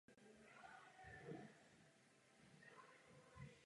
Akční plány Evropské politiky sousedství pokrývají širokou škálu příslušných problémů.